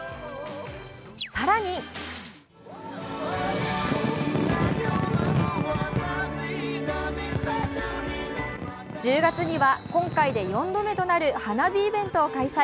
更に、１０月には今回で４度目となる花火イベントを開催。